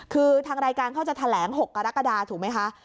คือทางรายการเขาจะแถลง๖กรกฎาถูกไหมคะ